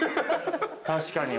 確かに。